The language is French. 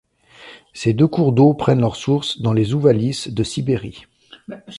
Ces deux cours d'eau prennent leur source dans les Ouvalys de Sibérie.